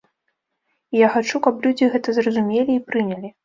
І я хачу, каб людзі гэта зразумелі і прынялі.